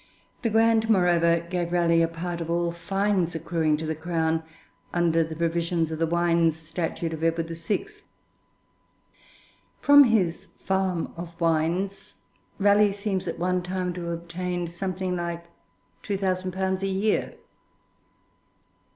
The grant, moreover, gave Raleigh a part of all fines accruing to the Crown under the provisions of the wines statute of Edward VI. From his 'Farm of Wines' Raleigh seems at one time to have obtained something like 2,000_l._ a year.